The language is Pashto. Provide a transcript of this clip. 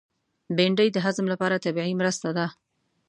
بېنډۍ د هضم لپاره طبیعي مرسته ده